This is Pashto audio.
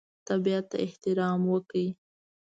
طبیعت ته احترام وکړئ.